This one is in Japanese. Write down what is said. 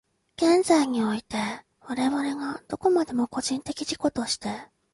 現在において、我々がどこまでも個人的自己として、